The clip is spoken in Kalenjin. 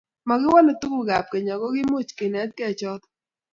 mokiwolei tugukab keny, ako kimuchi kenetengei choto